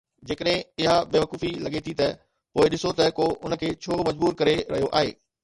جيڪڏهن اها بيوقوفي لڳي ٿي ته پوءِ ڏسو ته ڪو ان کي ڇو مجبور ڪري رهيو آهي